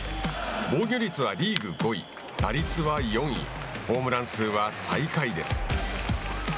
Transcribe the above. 防御率はリーグ５位打率は４位ホームラン数は最下位です。